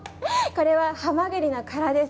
これは、ハマグリのからです。